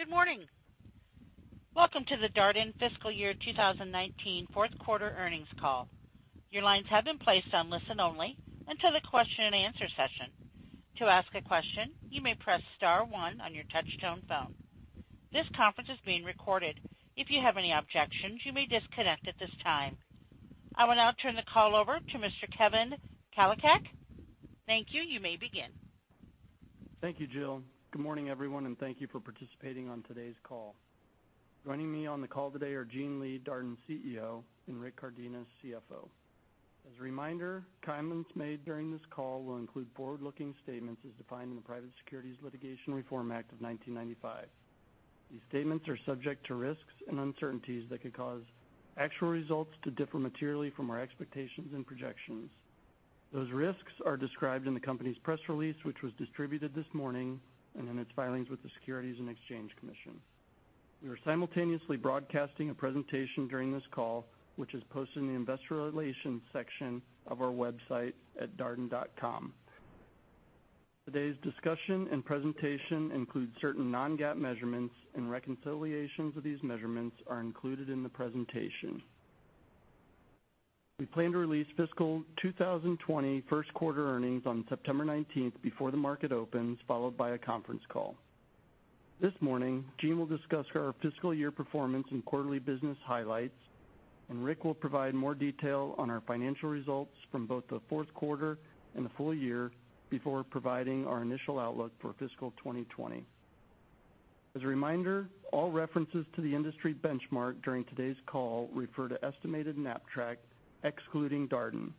Good morning. Welcome to the Darden fiscal year 2019 fourth quarter earnings call. Your lines have been placed on listen-only until the question-and-answer session. To ask a question, you may press star one on your touch-tone phone. This conference is being recorded. If you have any objections, you may disconnect at this time. I will now turn the call over to Mr. Kevin Kalinowski. Thank you. You may begin. Thank you, Jill. Good morning, everyone, and thank you for participating on today's call. Joining me on the call today are Gene Lee, Darden's CEO, and Rick Cardenas, CFO. As a reminder, comments made during this call will include forward-looking statements as defined in the Private Securities Litigation Reform Act of 1995. These statements are subject to risks and uncertainties that could cause actual results to differ materially from our expectations and projections. Those risks are described in the company's press release, which was distributed this morning, and in its filings with the Securities and Exchange Commission. We are simultaneously broadcasting a presentation during this call, which is posted in the investor relations section of our website at darden.com. Today's discussion and presentation includes certain non-GAAP measurements and reconciliations of these measurements are included in the presentation. We plan to release fiscal year 2020 first quarter earnings on September 19th before the market opens, followed by a conference call. This morning, Gene will discuss our fiscal year performance and quarterly business highlights, and Rick will provide more detail on our financial results from both the fourth quarter and the full year before providing our initial outlook for fiscal year 2020. As a reminder, all references to the industry benchmark during today's call refer to estimated KNAPP-Track, excluding Darden.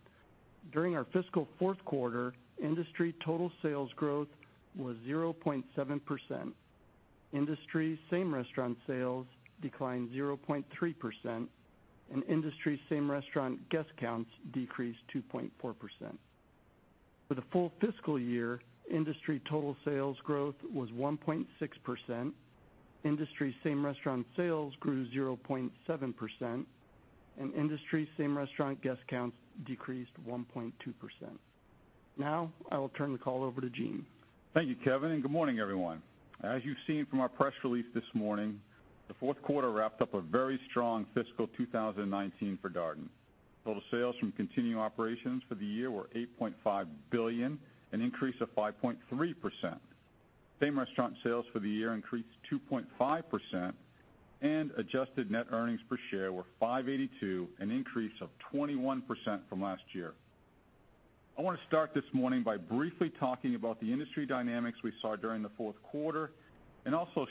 During our fiscal fourth quarter, industry total sales growth was 0.7%. Industry same-restaurant sales declined 0.3%, and industry same-restaurant guest counts decreased 2.4%. For the full fiscal year, industry total sales growth was 1.6%, industry same-restaurant sales grew 0.7%, and industry same-restaurant guest counts decreased 1.2%. I will turn the call over to Gene. Thank you, Kevin. Good morning, everyone. As you've seen from our press release this morning, the fourth quarter wrapped up a very strong fiscal year 2019 for Darden. Total sales from continuing operations for the year were $8.5 billion, an increase of 5.3%. Same-restaurant sales for the year increased 2.5%, and adjusted net earnings per share were $5.82, an increase of 21% from last year. I want to start this morning by briefly talking about the industry dynamics we saw during the fourth quarter and also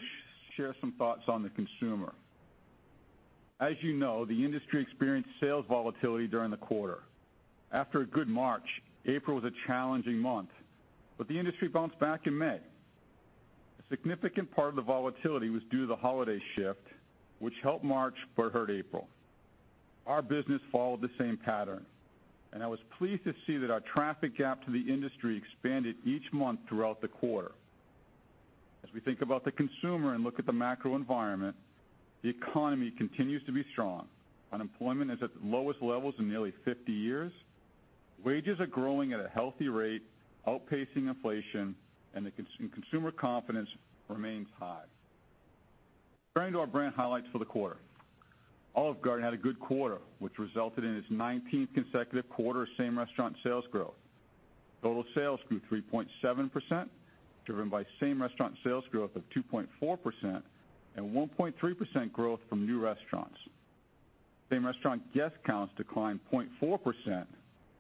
share some thoughts on the consumer. As you know, the industry experienced sales volatility during the quarter. After a good March, April was a challenging month, the industry bounced back in May. A significant part of the volatility was due to the holiday shift, which helped March but hurt April. Our business followed the same pattern. I was pleased to see that our traffic gap to the industry expanded each month throughout the quarter. As we think about the consumer and look at the macro environment, the economy continues to be strong. Unemployment is at the lowest levels in nearly 50 years. Wages are growing at a healthy rate, outpacing inflation. Consumer confidence remains high. Turning to our brand highlights for the quarter. Olive Garden had a good quarter, which resulted in its 19th consecutive quarter of same-restaurant sales growth. Total sales grew 3.7%, driven by same-restaurant sales growth of 2.4% and 1.3% growth from new restaurants. Same-restaurant guest counts declined 0.4%.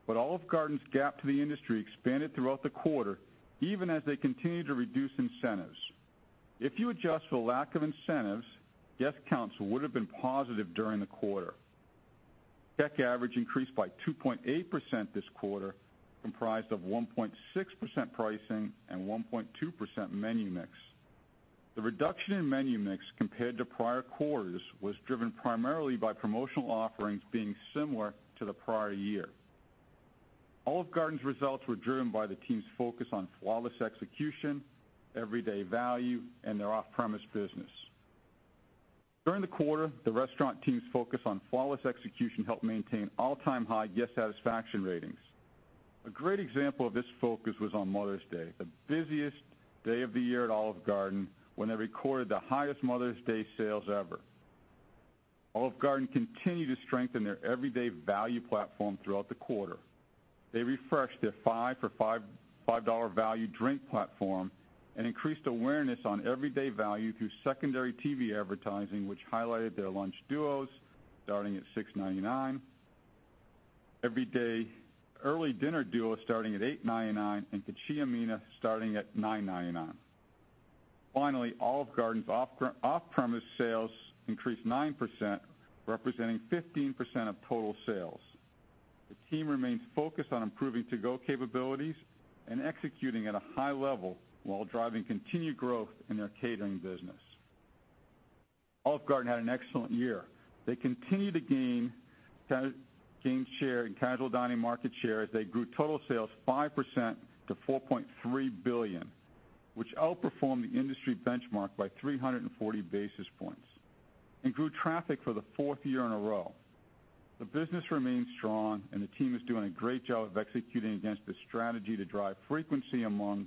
Olive Garden's gap to the industry expanded throughout the quarter, even as they continued to reduce incentives. If you adjust for the lack of incentives, guest counts would've been positive during the quarter. Check average increased by 2.8% this quarter, comprised of 1.6% pricing and 1.2% menu mix. The reduction in menu mix compared to prior quarters was driven primarily by promotional offerings being similar to the prior year. Olive Garden's results were driven by the team's focus on flawless execution, everyday value, and their off-premise business. During the quarter, the restaurant team's focus on flawless execution helped maintain all-time high guest satisfaction ratings. A great example of this focus was on Mother's Day, the busiest day of the year at Olive Garden, when they recorded the highest Mother's Day sales ever. Olive Garden continued to strengthen their everyday value platform throughout the quarter. They refreshed their five for $5 value drink platform and increased awareness on everyday value through secondary TV advertising, which highlighted their lunch duos starting at $6.99, everyday early dinner duos starting at $8.99, and Cucina Mia starting at $9.99. Finally, Olive Garden's off-premise sales increased 9%, representing 15% of total sales. The team remains focused on improving to-go capabilities and executing at a high level while driving continued growth in their catering business. Olive Garden had an excellent year. They continued to gain share in casual dining market share as they grew total sales 5% to $4.3 billion, which outperformed the industry benchmark by 340 basis points, and grew traffic for the fourth year in a row. The business remains strong. The team is doing a great job of executing against the strategy to drive frequency among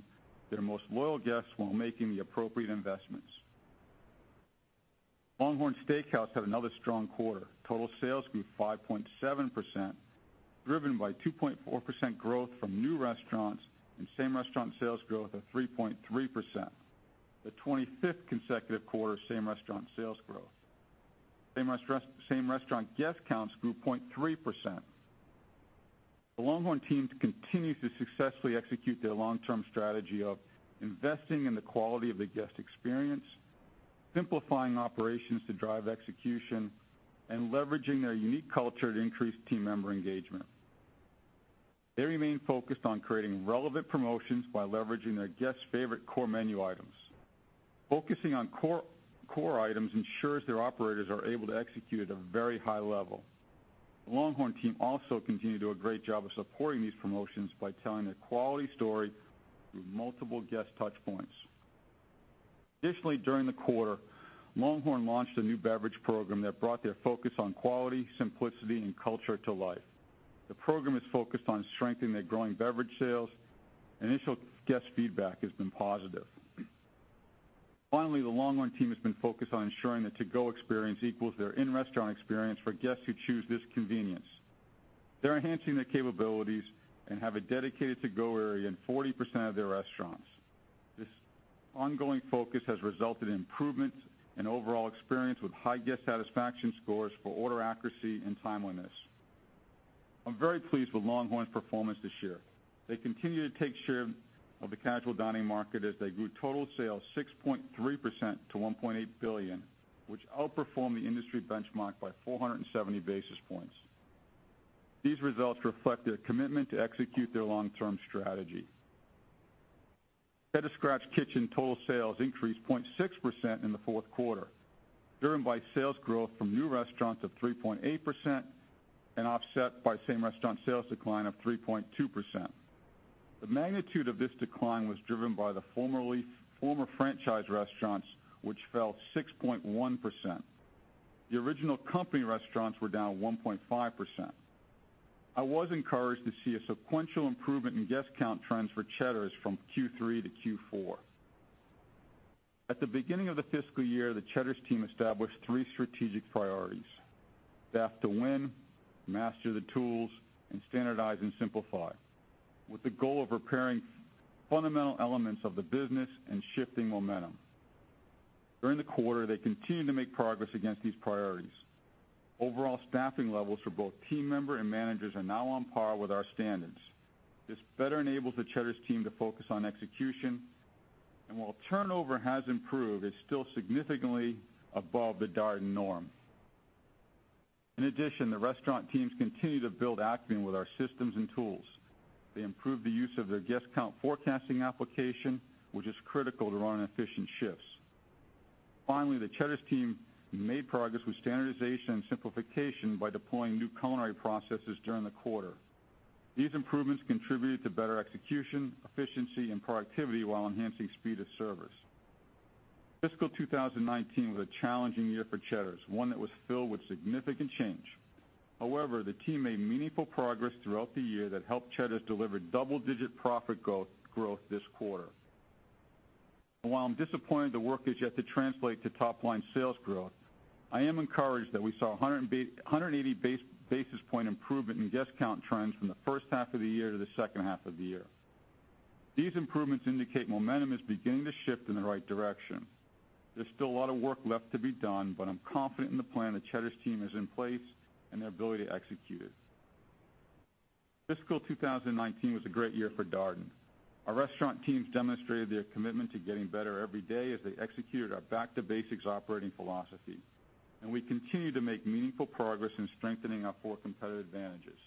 their most loyal guests while making the appropriate investments. LongHorn Steakhouse had another strong quarter. Total sales grew 5.7%, driven by 2.4% growth from new restaurants and same-restaurant sales growth of 3.3%, the 25th consecutive quarter same-restaurant sales growth. Same-restaurant guest counts grew 0.3%. The LongHorn teams continue to successfully execute their long-term strategy of investing in the quality of the guest experience, simplifying operations to drive execution, and leveraging their unique culture to increase team member engagement. They remain focused on creating relevant promotions by leveraging their guests' favorite core menu items. Focusing on core items ensures their operators are able to execute at a very high level. The LongHorn team also continue to do a great job of supporting these promotions by telling their quality story through multiple guest touchpoints. Additionally, during the quarter, LongHorn launched a new beverage program that brought their focus on quality, simplicity, and culture to life. The program is focused on strengthening their growing beverage sales. Initial guest feedback has been positive. Finally, the LongHorn team has been focused on ensuring the to-go experience equals their in-restaurant experience for guests who choose this convenience. They're enhancing their capabilities and have a dedicated to-go area in 40% of their restaurants. This ongoing focus has resulted in improvements in overall experience with high guest satisfaction scores for order accuracy and timeliness. I'm very pleased with LongHorn's performance this year. They continue to take share of the casual dining market as they grew total sales 6.3% to $1.8 billion, which outperformed the industry benchmark by 470 basis points. These results reflect their commitment to execute their long-term strategy. Cheddar's Scratch Kitchen total sales increased 0.6% in the fourth quarter, driven by sales growth from new restaurants of 3.8% and offset by same-restaurant sales decline of 3.2%. The magnitude of this decline was driven by the former franchise restaurants, which fell 6.1%. The original company restaurants were down 1.5%. I was encouraged to see a sequential improvement in guest count trends for Cheddar's from Q3 to Q4. At the beginning of the fiscal year, the Cheddar's team established three strategic priorities, staff to win, master the tools, and standardize and simplify, with the goal of repairing fundamental elements of the business and shifting momentum. During the quarter, they continued to make progress against these priorities. Overall staffing levels for both team member and managers are now on par with our standards. This better enables the Cheddar's team to focus on execution. While turnover has improved, it's still significantly above the Darden norm. In addition, the restaurant teams continue to build acumen with our systems and tools. They improved the use of their guest count forecasting application, which is critical to running efficient shifts. Finally, the Cheddar's team made progress with standardization and simplification by deploying new culinary processes during the quarter. These improvements contributed to better execution, efficiency, and productivity while enhancing speed of service. Fiscal 2019 was a challenging year for Cheddar's, one that was filled with significant change. However, the team made meaningful progress throughout the year that helped Cheddar's deliver double-digit profit growth this quarter. While I'm disappointed the work is yet to translate to top-line sales growth, I am encouraged that we saw 180 basis point improvement in guest count trends from the first half of the year to the second half of the year. These improvements indicate momentum is beginning to shift in the right direction. There's still a lot of work left to be done, but I'm confident in the plan the Cheddar's team has in place and their ability to execute it. Fiscal 2019 was a great year for Darden. Our restaurant teams demonstrated their commitment to getting better every day as they executed our back-to-basics operating philosophy, and we continue to make meaningful progress in strengthening our four competitive advantages.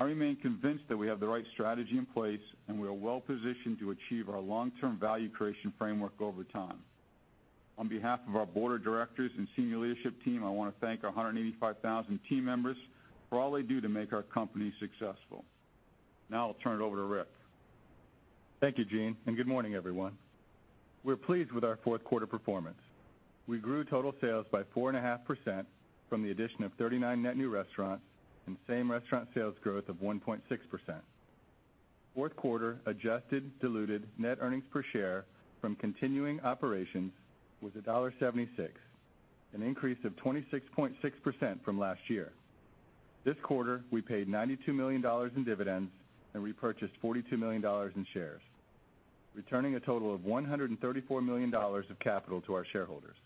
I remain convinced that we have the right strategy in place, and we are well positioned to achieve our long-term value creation framework over time. On behalf of our board of directors and senior leadership team, I want to thank our 185,000 team members for all they do to make our company successful. Now I'll turn it over to Rick. Thank you, Gene, good morning, everyone. We're pleased with our fourth quarter performance. We grew total sales by 4.5% from the addition of 39 net new restaurants and same-restaurant sales growth of 1.6%. Fourth quarter adjusted diluted net earnings per share from continuing operations was $1.76, an increase of 26.6% from last year. This quarter, we paid $92 million in dividends and repurchased $42 million in shares, returning a total of $134 million of capital to our shareholders.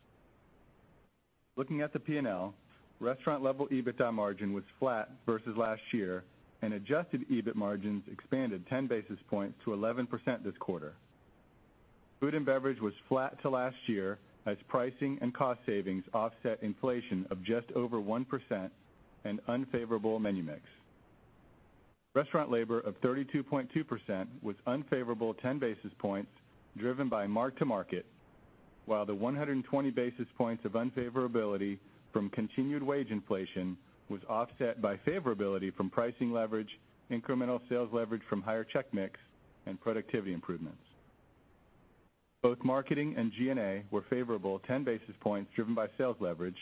Looking at the P&L, restaurant-level EBITDA margin was flat versus last year, adjusted EBIT margins expanded 10 basis points to 11% this quarter. Food and beverage was flat to last year as pricing and cost savings offset inflation of just over 1% and unfavorable menu mix. Restaurant labor of 32.2% was unfavorable 10 basis points driven by mark-to-market, while the 120 basis points of unfavorability from continued wage inflation was offset by favorability from pricing leverage, incremental sales leverage from higher check mix, and productivity improvements. Both marketing and G&A were favorable 10 basis points driven by sales leverage.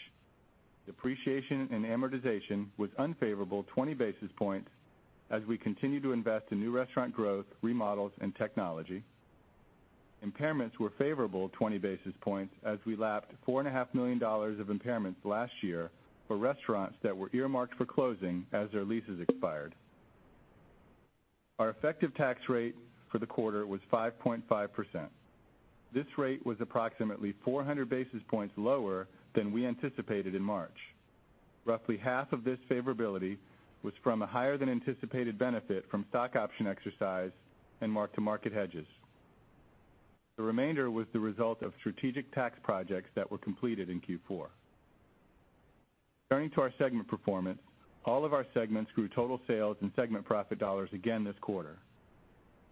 Depreciation and amortization was unfavorable 20 basis points as we continue to invest in new restaurant growth, remodels, and technology. Impairments were favorable 20 basis points as we lapped $4.5 million of impairments last year for restaurants that were earmarked for closing as their leases expired. Our effective tax rate for the quarter was 5.5%. This rate was approximately 400 basis points lower than we anticipated in March. Roughly half of this favorability was from a higher than anticipated benefit from stock option exercise and mark-to-market hedges. The remainder was the result of strategic tax projects that were completed in Q4. Turning to our segment performance, all of our segments grew total sales and segment profit dollars again this quarter.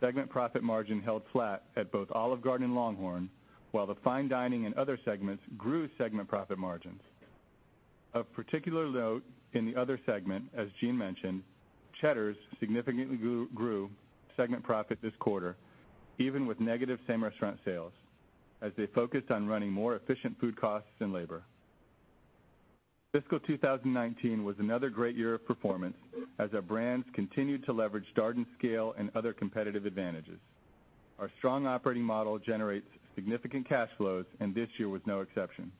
Segment profit margin held flat at both Olive Garden and LongHorn, while the fine dining and other segments grew segment profit margins. Of particular note in the other segment, as Gene mentioned, Cheddar's significantly grew segment profit this quarter, even with negative same-restaurant sales, as they focused on running more efficient food costs and labor. Fiscal 2019 was another great year of performance as our brands continued to leverage Darden scale and other competitive advantages. Our strong operating model generates significant cash flows, this year was no exception.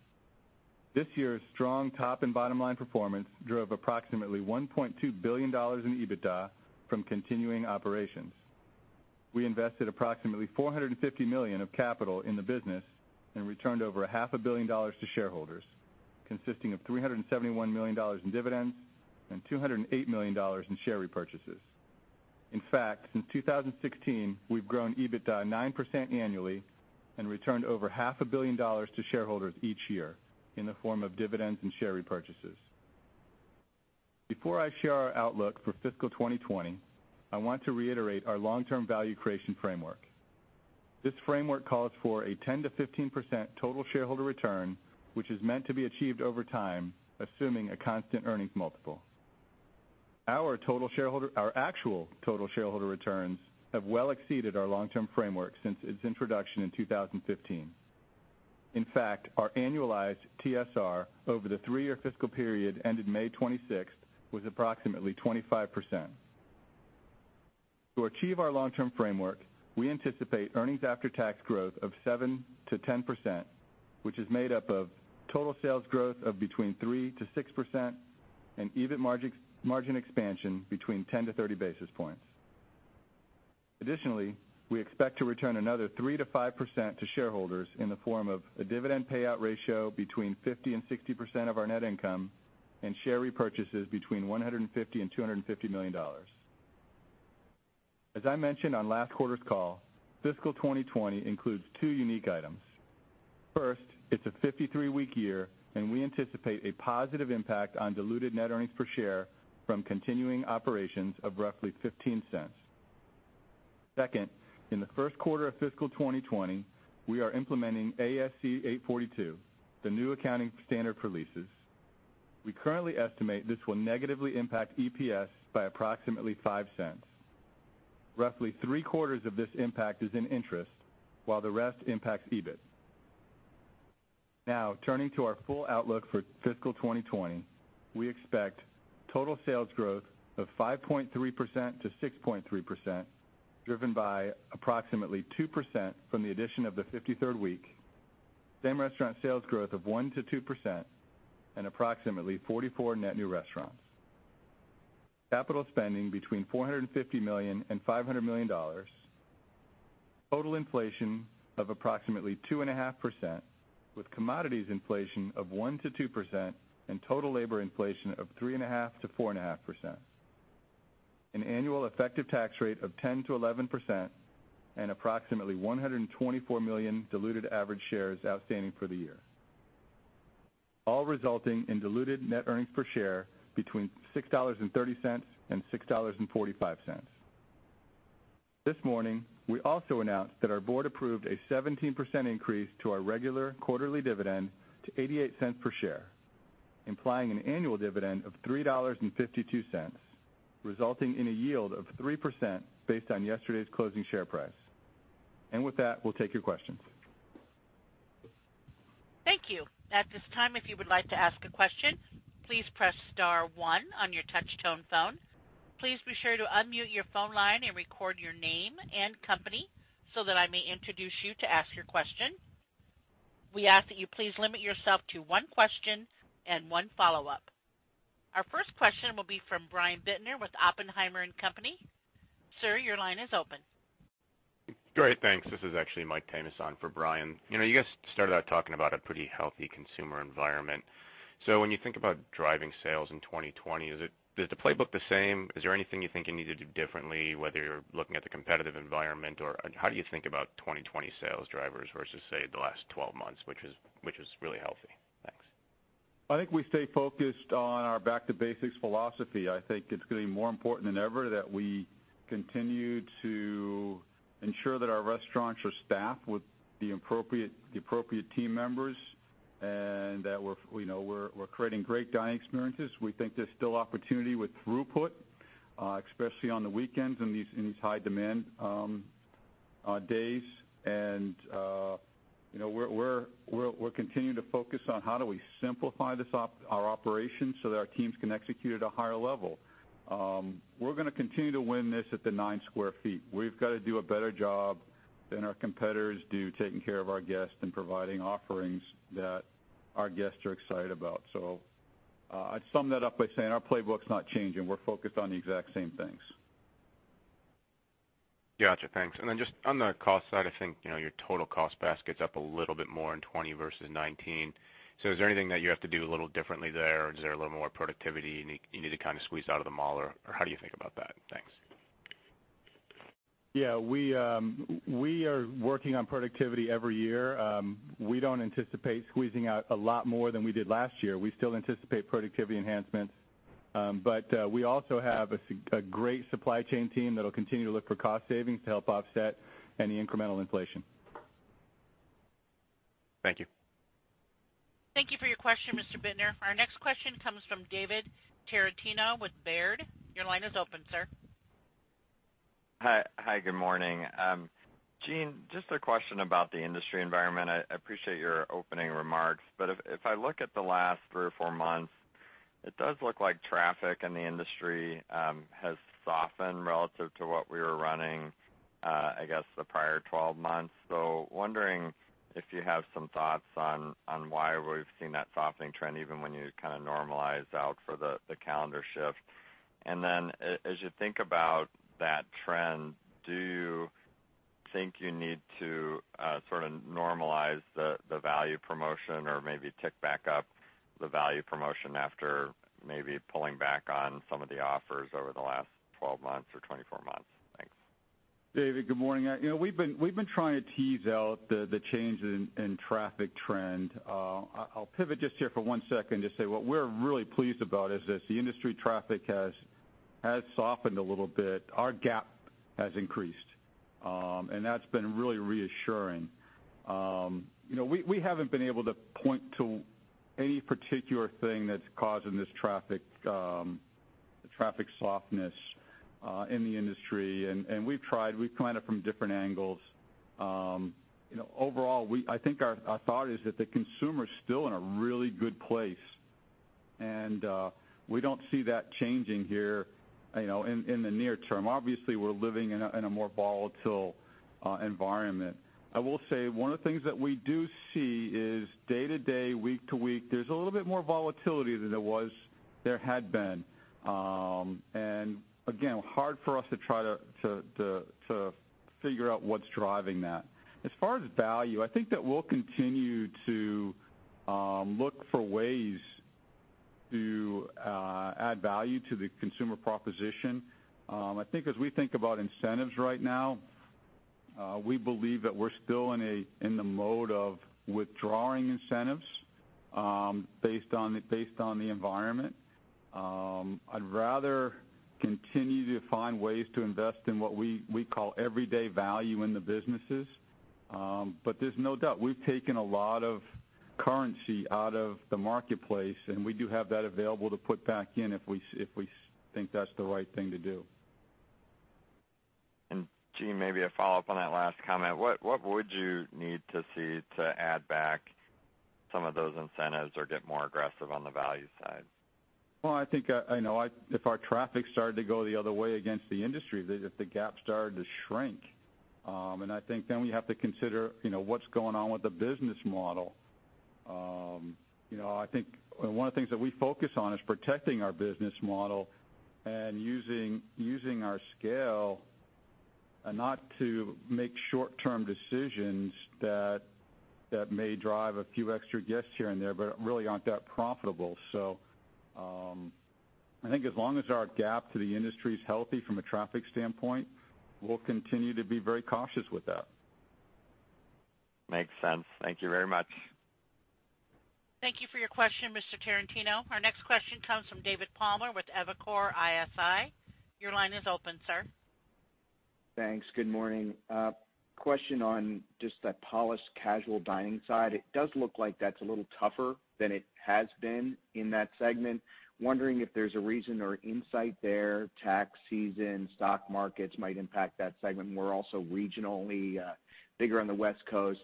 This year's strong top and bottom line performance drove approximately $1.2 billion in EBITDA from continuing operations. We invested approximately $450 million of capital in the business, returned over a half a billion dollars to shareholders, consisting of $371 million in dividends and $208 million in share repurchases. In fact, since 2016, we've grown EBITDA 9% annually, returned over half a billion dollars to shareholders each year in the form of dividends and share repurchases. Before I share our outlook for fiscal 2020, I want to reiterate our long-term value creation framework. This framework calls for a 10%-15% total shareholder return, which is meant to be achieved over time, assuming a constant earnings multiple. Our actual total shareholder returns have well exceeded our long-term framework since its introduction in 2015. In fact, our annualized TSR over the three-year fiscal period ended May 26th was approximately 25%. To achieve our long-term framework, we anticipate earnings after tax growth of 7%-10%, which is made up of total sales growth of between 3%-6% and EBIT margin expansion between 10-30 basis points. Additionally, we expect to return another 3%-5% to shareholders in the form of a dividend payout ratio between 50% and 60% of our net income and share repurchases between $150 million and $250 million. As I mentioned on last quarter's call, fiscal 2020 includes two unique items. First, it's a 53-week year, and we anticipate a positive impact on diluted net earnings per share from continuing operations of roughly $0.15. Second, in the first quarter of fiscal 2020, we are implementing ASC 842, the new accounting standard for leases. We currently estimate this will negatively impact EPS by approximately $0.05. Roughly three-quarters of this impact is in interest, while the rest impacts EBIT. Turning to our full outlook for fiscal 2020, we expect total sales growth of 5.3%-6.3%, driven by approximately 2% from the addition of the 53rd week, same-restaurant sales growth of 1%-2%, and approximately 44 net new restaurants. Capital spending between $450 million and $500 million. Total inflation of approximately 2.5%, with commodities inflation of 1%-2% and total labor inflation of 3.5%-4.5%. An annual effective tax rate of 10%-11% and approximately 124 million diluted average shares outstanding for the year, all resulting in diluted net earnings per share between $6.30 and $6.45. This morning, we also announced that our board approved a 17% increase to our regular quarterly dividend to $0.88 per share, implying an annual dividend of $3.52, resulting in a yield of 3% based on yesterday's closing share price. With that, we'll take your questions. Thank you. At this time, if you would like to ask a question, please press *1 on your touch tone phone. Please be sure to unmute your phone line and record your name and company so that I may introduce you to ask your question. We ask that you please limit yourself to one question and one follow-up. Our first question will be from Brian Bittner with Oppenheimer and Company. Sir, your line is open. Great. Thanks. This is actually Michael Tamas on for Brian. When you think about driving sales in 2020, is the playbook the same? Is there anything you think you need to do differently, whether you're looking at the competitive environment, or how do you think about 2020 sales drivers versus, say, the last 12 months, which was really healthy? Thanks. I think we stay focused on our back to basics philosophy. I think it's going to be more important than ever that we continue to ensure that our restaurants are staffed with the appropriate team members and that we're creating great dining experiences. We think there's still opportunity with throughput Especially on the weekends in these high demand days. We're continuing to focus on how do we simplify our operations so that our teams can execute at a higher level. We're going to continue to win this at the nine square feet. We've got to do a better job than our competitors do taking care of our guests and providing offerings that our guests are excited about. I'd sum that up by saying our playbook's not changing. We're focused on the exact same things. Got you. Thanks. Just on the cost side, I think, your total cost basket's up a little bit more in 2020 versus 2019. Is there anything that you have to do a little differently there, or is there a little more productivity you need to kind of squeeze out of them all, or how do you think about that? Thanks. Yeah. We are working on productivity every year. We don't anticipate squeezing out a lot more than we did last year. We still anticipate productivity enhancements. We also have a great supply chain team that'll continue to look for cost savings to help offset any incremental inflation. Thank you. Thank you for your question, Mr. Bittner. Our next question comes from David Tarantino with Baird. Your line is open, sir. Hi, good morning. Gene, just a question about the industry environment. I appreciate your opening remarks, if I look at the last three or four months, it does look like traffic in the industry has softened relative to what we were running, I guess, the prior 12 months. Wondering if you have some thoughts on why we've seen that softening trend, even when you kind of normalize out for the calendar shift. Then as you think about that trend, do you think you need to sort of normalize the value promotion or maybe tick back up the value promotion after maybe pulling back on some of the offers over the last 12 months or 24 months? Thanks. David, good morning. We've been trying to tease out the change in traffic trend. I'll pivot just here for one second to say what we're really pleased about is as the industry traffic has softened a little bit, our gap has increased. That's been really reassuring. We haven't been able to point to any particular thing that's causing this traffic softness in the industry. We've tried. We've come at it from different angles. Overall, I think our thought is that the consumer's still in a really good place, and we don't see that changing here, in the near term. Obviously, we're living in a more volatile environment. I will say one of the things that we do see is day to day, week to week, there's a little bit more volatility than there had been. Again, hard for us to try to figure out what's driving that. As far as value, I think that we'll continue to look for ways to add value to the consumer proposition. I think as we think about incentives right now, we believe that we're still in the mode of withdrawing incentives based on the environment. I'd rather continue to find ways to invest in what we call everyday value in the businesses. There's no doubt, we've taken a lot of currency out of the marketplace, and we do have that available to put back in if we think that's the right thing to do. Gene, maybe a follow-up on that last comment. What would you need to see to add back some of those incentives or get more aggressive on the value side? Well, I think, if our traffic started to go the other way against the industry, if the gap started to shrink. I think then we have to consider what's going on with the business model. I think one of the things that we focus on is protecting our business model and using our scale not to make short-term decisions that may drive a few extra guests here and there, but really aren't that profitable. I think as long as our gap to the industry is healthy from a traffic standpoint, we'll continue to be very cautious with that. Makes sense. Thank you very much. Thank you for your question, Mr. Tarantino. Our next question comes from David Palmer with Evercore ISI. Your line is open, sir. Thanks. Good morning. Question on just the Polished Casual dining side. It does look like that's a little tougher than it has been in that segment. Wondering if there's a reason or insight there, tax season, stock markets might impact that segment more also regionally bigger on the West Coast.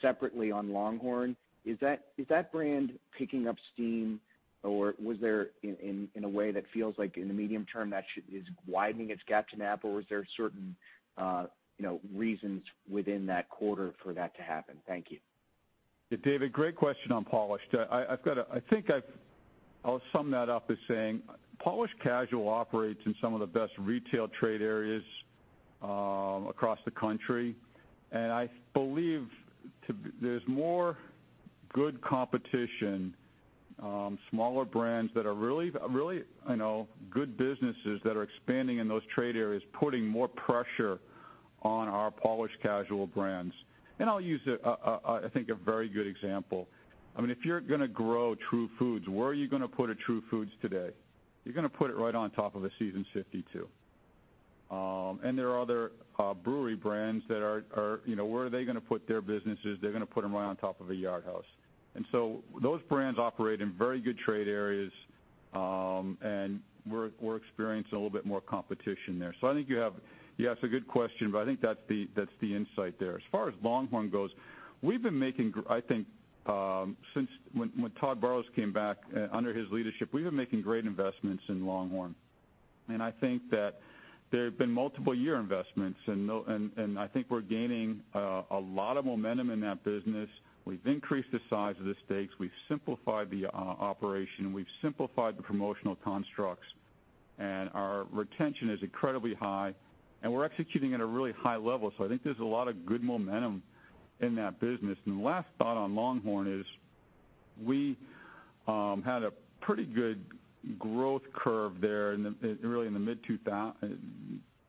Separately on LongHorn, is that brand picking up steam or was there in a way that feels like in the medium term that is widening its gap to KNAPP-Track, or was there certain reasons within that quarter for that to happen? Thank you. David, great question on Polished Casual. I'll sum that up as saying Polished Casual operates in some of the best retail trade areas across the country, I believe there's more good competition, smaller brands that are really good businesses that are expanding in those trade areas, putting more pressure on our Polished Casual brands. I'll use, I think, a very good example. If you're going to grow True Food Kitchen, where are you going to put a True Food Kitchen today? You're going to put it right on top of a Seasons 52. There are other brewery brands that are, where are they going to put their businesses? They're going to put them right on top of a Yard House. Those brands operate in very good trade areas, and we're experiencing a little bit more competition there. I think you ask a good question. I think that's the insight there. As far as LongHorn goes, I think when Todd Burrowes came back, under his leadership, we've been making great investments in LongHorn. I think that there have been multiple year investments. I think we're gaining a lot of momentum in that business. We've increased the size of the stakes. We've simplified the operation. We've simplified the promotional constructs. Our retention is incredibly high. We're executing at a really high level. I think there's a lot of good momentum in that business. The last thought on LongHorn is we had a pretty good growth curve there really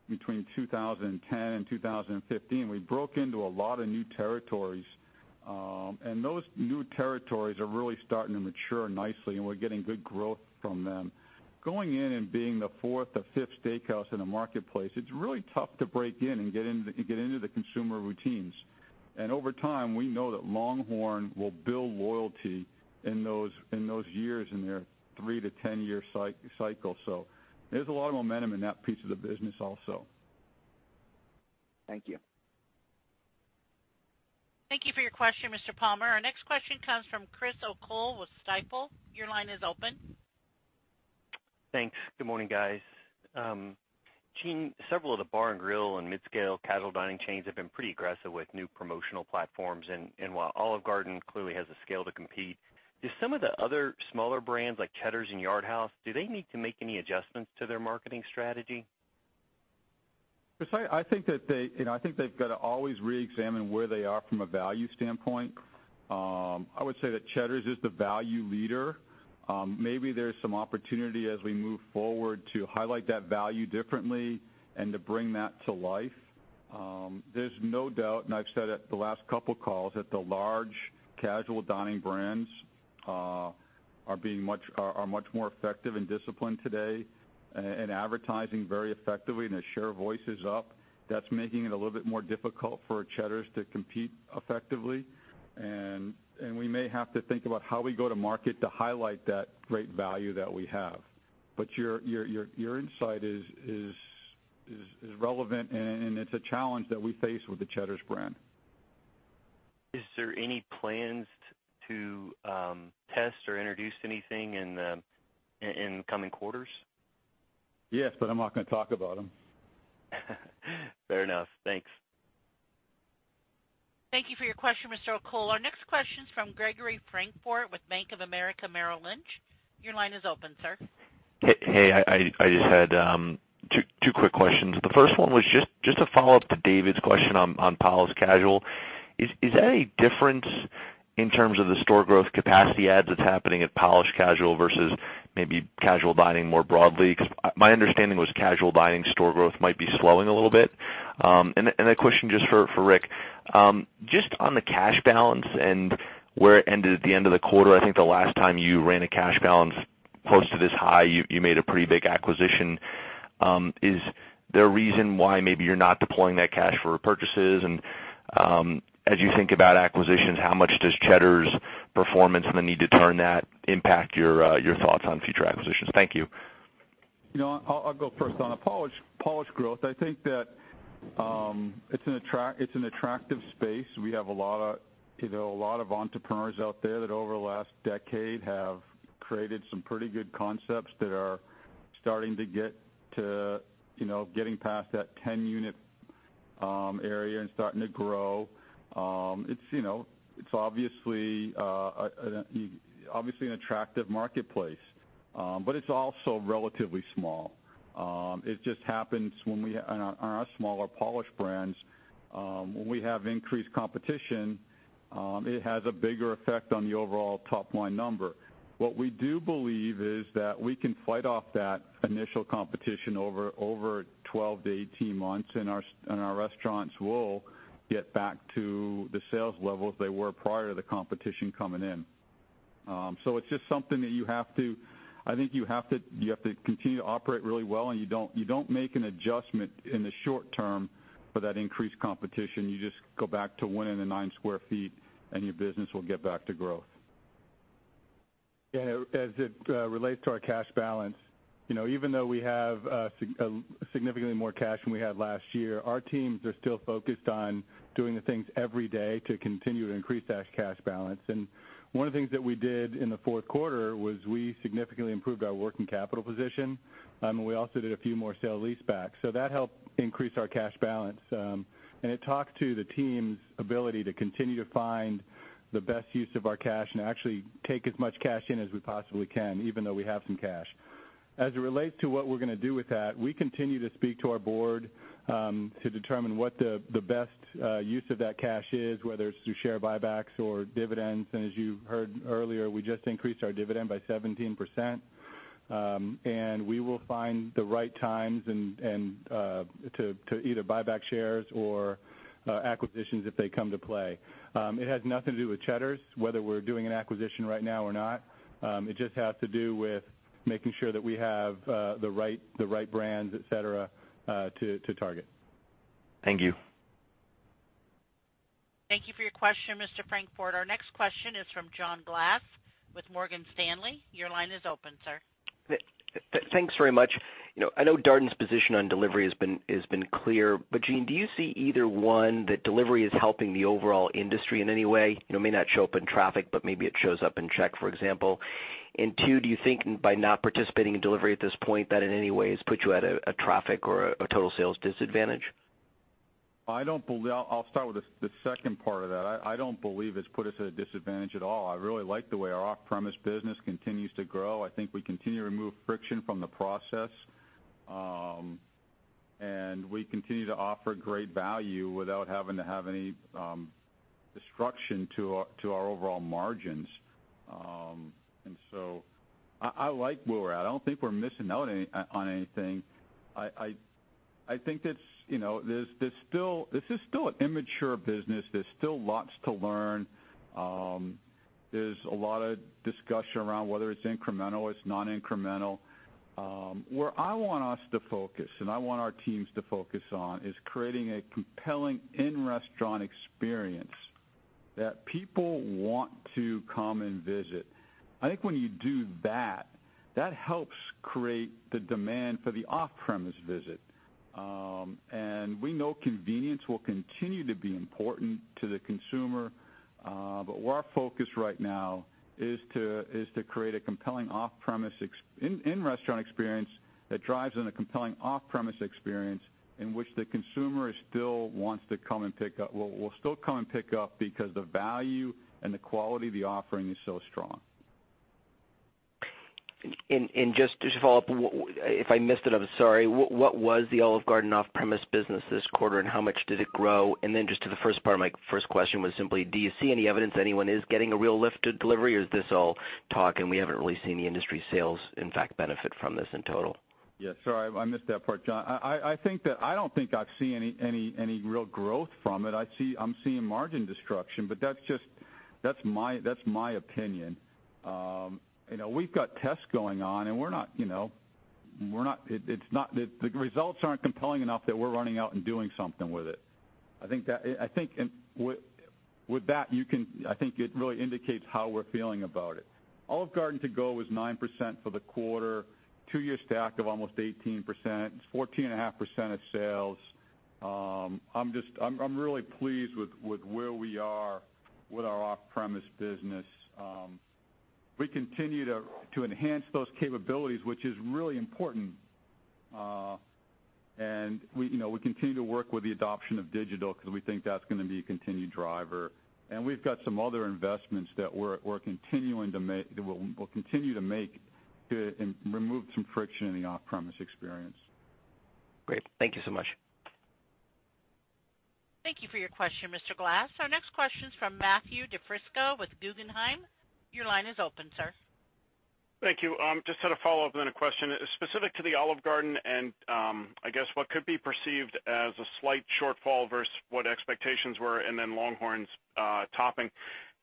between 2010 and 2015. We broke into a lot of new territories. Those new territories are really starting to mature nicely. We're getting good growth from them. Going in and being the fourth or fifth steakhouse in a marketplace, it's really tough to break in and get into the consumer routines. Over time, we know that LongHorn will build loyalty in those years in their three to 10 year cycle. There's a lot of momentum in that piece of the business also. Thank you. Thank you for your question, Mr. Palmer. Our next question comes from Chris O'Cull with Stifel. Your line is open. Thanks. Good morning, guys. Gene, several of the bar and grill and mid-scale casual dining chains have been pretty aggressive with new promotional platforms. While Olive Garden clearly has the scale to compete, do some of the other smaller brands like Cheddar's and Yard House, do they need to make any adjustments to their marketing strategy? Chris, I think they've got to always reexamine where they are from a value standpoint. I would say that Cheddar's is the value leader. Maybe there's some opportunity as we move forward to highlight that value differently and to bring that to life. There's no doubt, I've said at the last couple calls, that the large casual dining brands are much more effective and disciplined today and advertising very effectively, and their share of voice is up. That's making it a little bit more difficult for a Cheddar's to compete effectively. We may have to think about how we go to market to highlight that great value that we have. Your insight is relevant, and it's a challenge that we face with the Cheddar's brand. Is there any plans to test or introduce anything in the coming quarters? Yes, I'm not going to talk about them. Fair enough. Thanks. Thank you for your question, Mr. O'Cull. Our next question's from Gregory Francfort with Bank of America Merrill Lynch. Your line is open, sir. Hey. I just had two quick questions. The first one was just a follow-up to David's question on polished casual. Is that any different in terms of the store growth capacity adds that's happening at polished casual versus maybe casual dining more broadly? Because my understanding was casual dining store growth might be slowing a little bit. A question just for Rick. Just on the cash balance and where it ended at the end of the quarter, I think the last time you ran a cash balance close to this high, you made a pretty big acquisition. Is there a reason why maybe you're not deploying that cash for purchases? As you think about acquisitions, how much does Cheddar's performance and the need to turn that impact your thoughts on future acquisitions? Thank you. I'll go first. On the polished growth, I think that it's an attractive space. We have a lot of entrepreneurs out there that over the last decade have created some pretty good concepts that are starting to get to getting past that 10 unit area and starting to grow. It's obviously an attractive marketplace. It's also relatively small. It just happens on our smaller polished brands when we have increased competition, it has a bigger effect on the overall top-line number. What we do believe is that we can fight off that initial competition over 12 to 18 months, and our restaurants will get back to the sales levels they were prior to the competition coming in. It's just something that I think you have to continue to operate really well, and you don't make an adjustment in the short term for that increased competition. You just go back to winning the nine square feet, and your business will get back to growth. Yeah, as it relates to our cash balance, even though we have significantly more cash than we had last year, our teams are still focused on doing the things every day to continue to increase that cash balance. One of the things that we did in the fourth quarter was we significantly improved our working capital position. We also did a few more sale-leasebacks. That helped increase our cash balance. It talked to the team's ability to continue to find the best use of our cash and actually take as much cash in as we possibly can, even though we have some cash. As it relates to what we're going to do with that, we continue to speak to our board to determine what the best use of that cash is, whether it's through share buybacks or dividends. As you heard earlier, we just increased our dividend by 17%. We will find the right times and to either buy back shares or acquisitions if they come to play. It has nothing to do with Cheddar's, whether we're doing an acquisition right now or not. It just has to do with making sure that we have the right brands, et cetera, to target. Thank you. Thank you for your question, Mr. Francfort. Our next question is from John Glass with Morgan Stanley. Your line is open, sir. Thanks very much. I know Darden's position on delivery has been clear, Gene, do you see either, one, that delivery is helping the overall industry in any way? It may not show up in traffic, but maybe it shows up in check, for example. Two, do you think by not participating in delivery at this point, that in any way has put you at a traffic or a total sales disadvantage? I'll start with the second part of that. I don't believe it's put us at a disadvantage at all. I really like the way our off-premise business continues to grow. I think we continue to remove friction from the process. We continue to offer great value without having to have any destruction to our overall margins. So I like where we're at. I don't think we're missing out on anything. This is still an immature business. There's still lots to learn. There's a lot of discussion around whether it's incremental, it's non-incremental. Where I want us to focus, and I want our teams to focus on, is creating a compelling in-restaurant experience that people want to come and visit. I think when you do that helps create the demand for the off-premise visit. We know convenience will continue to be important to the consumer. Where our focus right now is to create an in-restaurant experience that drives in a compelling off-premise experience in which the consumer will still come and pick up because the value and the quality of the offering is so strong. Just to follow up, if I missed it, I'm sorry. What was the Olive Garden off-premise business this quarter, and how much did it grow? Just to the first part of my first question was simply, do you see any evidence anyone is getting a real lift to delivery, or is this all talk and we haven't really seen the industry sales in fact benefit from this in total? Yeah, sorry, I missed that part, John. I don't think I've seen any real growth from it. I'm seeing margin destruction, but that's my opinion. We've got tests going on, the results aren't compelling enough that we're running out and doing something with it. I think with that, it really indicates how we're feeling about it. Olive Garden to go was 9% for the quarter, two-year stack of almost 18%, 14.5% of sales. I'm really pleased with where we are with our off-premise business. We continue to enhance those capabilities, which is really important. We continue to work with the adoption of digital because we think that's going to be a continued driver. We've got some other investments that we'll continue to make to remove some friction in the off-premise experience. Great. Thank you so much. Thank you for your question, Mr. Glass. Our next question's from Matthew DiFrisco with Guggenheim. Your line is open, sir. Thank you. Just had a follow-up, then a question. Specific to the Olive Garden and I guess what could be perceived as a slight shortfall versus what expectations were, then LongHorn's topping.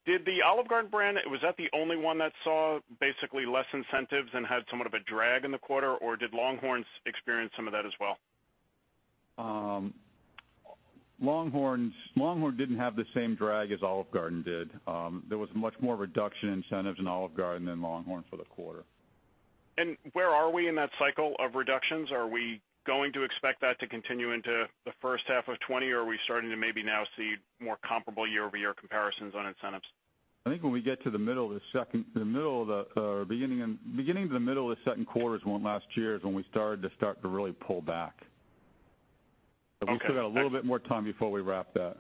Did the Olive Garden brand, was that the only one that saw basically less incentives and had somewhat of a drag in the quarter, or did LongHorn's experience some of that as well? LongHorn didn't have the same drag as Olive Garden did. There was much more reduction in incentives in Olive Garden than LongHorn for the quarter. Where are we in that cycle of reductions? Are we going to expect that to continue into the first half of 2020, or are we starting to maybe now see more comparable year-over-year comparisons on incentives? I think beginning to the middle of the second quarter is when last year is when we started to really pull back. Okay. We still got a little bit more time before we wrap that.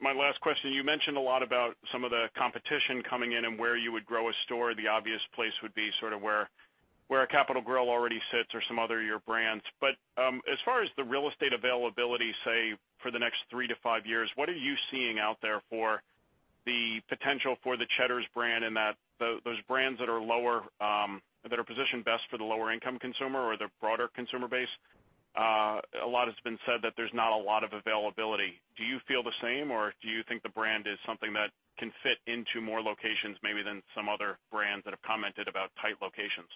My last question, you mentioned a lot about some of the competition coming in and where you would grow a store. The obvious place would be sort of where a The Capital Grille already sits or some other of your brands. As far as the real estate availability, say, for the next three to five years, what are you seeing out there for the potential for the Cheddar's brand and those brands that are positioned best for the lower income consumer or the broader consumer base? A lot has been said that there's not a lot of availability. Do you feel the same, or do you think the brand is something that can fit into more locations maybe than some other brands that have commented about tight locations?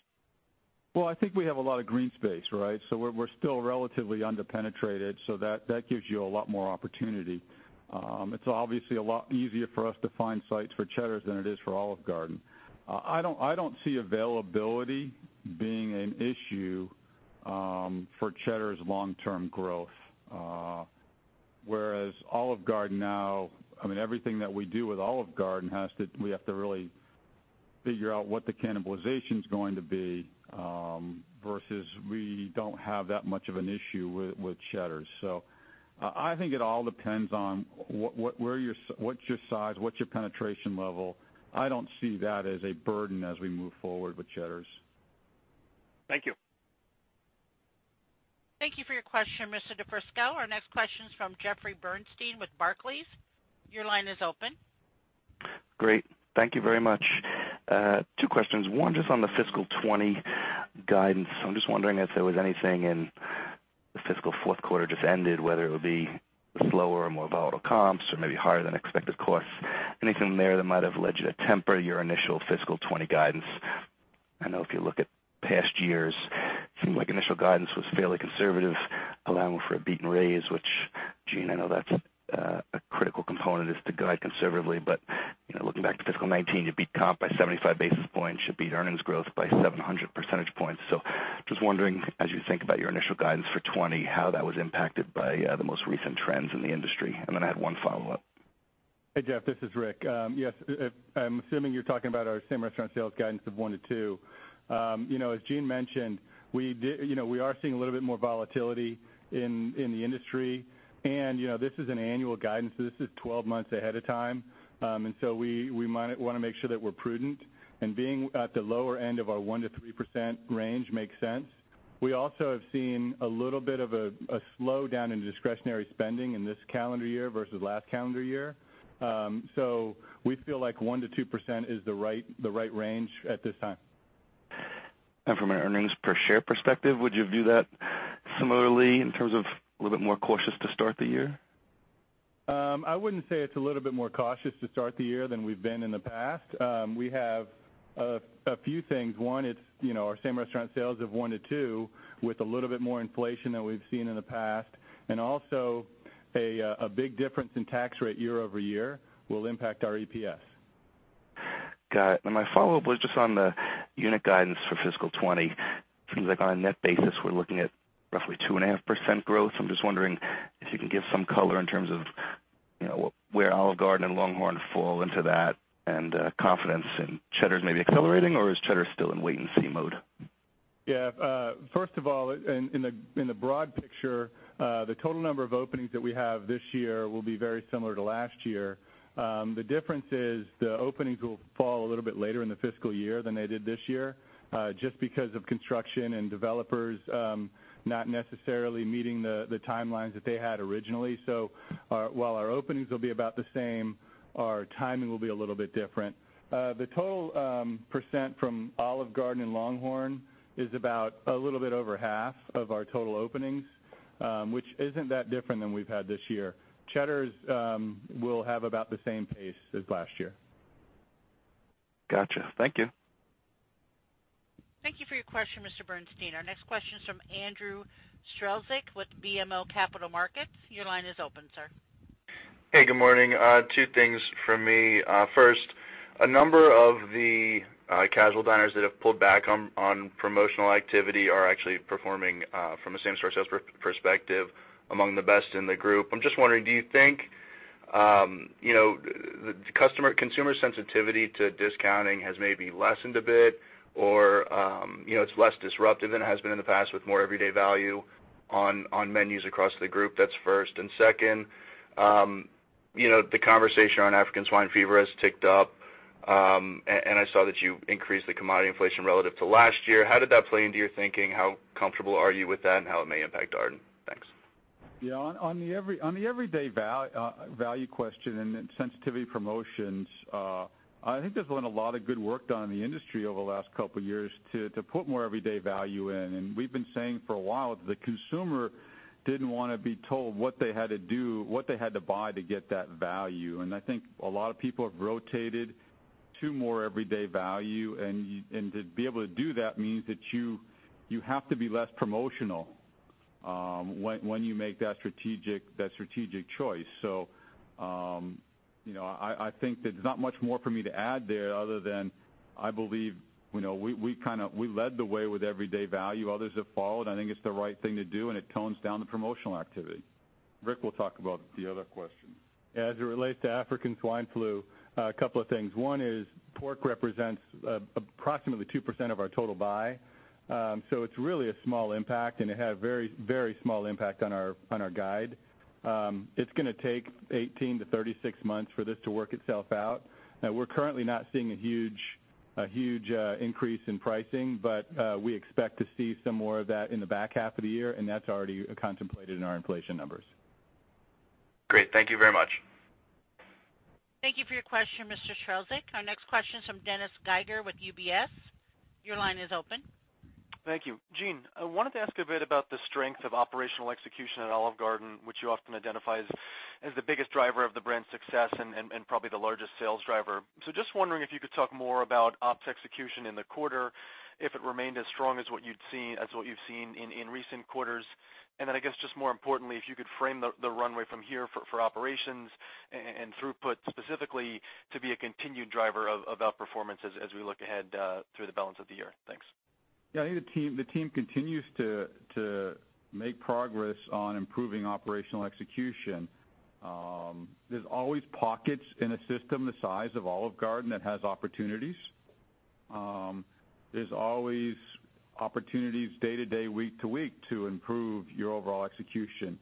I think we have a lot of green space, right? We're still relatively under-penetrated, that gives you a lot more opportunity. It's obviously a lot easier for us to find sites for Cheddar's than it is for Olive Garden. I don't see availability being an issue for Cheddar's long-term growth. Olive Garden now, everything that we do with Olive Garden, we have to really figure out what the cannibalization's going to be, versus we don't have that much of an issue with Cheddar's. I think it all depends on what's your size, what's your penetration level. I don't see that as a burden as we move forward with Cheddar's. Thank you. Thank you for your question, Mr. DiFrisco. Our next question's from Jeffrey Bernstein with Barclays. Your line is open. Great. Thank you very much. Two questions. One, just on the fiscal 2020 guidance. I'm just wondering if there was anything in the fiscal fourth quarter just ended, whether it would be slower or more volatile comps or maybe higher than expected costs. Anything there that might have led you to temper your initial fiscal 2020 guidance? I know if you look at past years, it seems like initial guidance was fairly conservative, allowing for a beat and raise, which, Gene, I know that's a critical component is to guide conservatively. Looking back to fiscal 2019, you beat comp by 75 basis points. You beat earnings growth by 700 percentage points. Just wondering, as you think about your initial guidance for 2020, how that was impacted by the most recent trends in the industry. I have one follow-up. Hey, Jeff, this is Rick. Yes, I'm assuming you're talking about our same restaurant sales guidance of 1%-2%. As Gene mentioned, we are seeing a little bit more volatility in the industry. This is an annual guidance, so this is 12 months ahead of time. We want to make sure that we're prudent and being at the lower end of our 1%-3% range makes sense. We also have seen a little bit of a slowdown in discretionary spending in this calendar year versus last calendar year. We feel like 1%-2% is the right range at this time. From an earnings per share perspective, would you view that similarly in terms of a little bit more cautious to start the year? I wouldn't say it's a little bit more cautious to start the year than we've been in the past. We have a few things. One, it's our same restaurant sales of 1% to 2% with a little bit more inflation than we've seen in the past. Also, a big difference in tax rate year-over-year will impact our EPS. Got it. My follow-up was just on the unit guidance for fiscal 2020. Seems like on a net basis, we're looking at roughly 2.5% growth. I'm just wondering if you can give some color in terms of where Olive Garden and LongHorn fall into that and confidence in Cheddar's maybe accelerating, or is Cheddar's still in wait-and-see mode? Yeah. First of all, in the broad picture, the total number of openings that we have this year will be very similar to last year. The difference is the openings will fall a little bit later in the fiscal year than they did this year, just because of construction and developers not necessarily meeting the timelines that they had originally. While our openings will be about the same, our timing will be a little bit different. The total percent from Olive Garden and LongHorn is about a little bit over half of our total openings, which isn't that different than we've had this year. Cheddar's will have about the same pace as last year. Got you. Thank you. Thank you for your question, Mr. Bernstein. Our next question is from Andrew Strelzik with BMO Capital Markets. Your line is open, sir. Hey, good morning. Two things from me. First, a number of the casual diners that have pulled back on promotional activity are actually performing, from a same-store sales perspective, among the best in the group. I'm just wondering, do you think consumer sensitivity to discounting has maybe lessened a bit, or it's less disruptive than it has been in the past with more everyday value on menus across the group? That's first. Second, the conversation around African swine fever has ticked up, and I saw that you increased the commodity inflation relative to last year. How did that play into your thinking? How comfortable are you with that and how it may impact Darden? Thanks. Yeah. On the everyday value question and sensitivity promotions, I think there's been a lot of good work done in the industry over the last couple of years to put more everyday value in. We've been saying for a while that the consumer didn't want to be told what they had to do, what they had to buy to get that value. I think a lot of people have rotated to more everyday value. To be able to do that means that you have to be less promotional when you make that strategic choice. I think that there's not much more for me to add there other than I believe we led the way with everyday value. Others have followed. I think it's the right thing to do, and it tones down the promotional activity. Rick will talk about the other question. As it relates to African swine fever, a couple of things. One is pork represents approximately 2% of our total buy. It's really a small impact, and it had a very small impact on our guide. It's going to take 18 to 36 months for this to work itself out. We're currently not seeing a huge increase in pricing, but we expect to see some more of that in the back half of the year, and that's already contemplated in our inflation numbers. Great. Thank you very much. Thank you for your question, Mr. Strelzik. Our next question is from Dennis Geiger with UBS. Your line is open. Thank you. Gene, I wanted to ask a bit about the strength of operational execution at Olive Garden, which you often identify as the biggest driver of the brand's success and probably the largest sales driver. Just wondering if you could talk more about ops execution in the quarter, if it remained as strong as what you've seen in recent quarters. I guess just more importantly, if you could frame the runway from here for operations and throughput specifically to be a continued driver of outperformance as we look ahead through the balance of the year. Thanks. Yeah. I think the team continues to make progress on improving operational execution. There's always pockets in a system the size of Olive Garden that has opportunities. There's always opportunities day to day, week to week, to improve your overall execution.